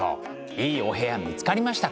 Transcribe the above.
いいお部屋見つかりましたか？